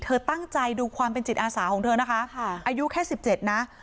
เธอตั้งใจดูความเป็นจิตอาสาของเธอนะคะอายุแค่๑๗นะ